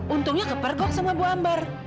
untungnya kepergok sama bu ambar